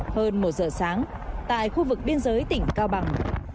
hơn một giờ sáng tại khu vực biên giới tỉnh cao bằng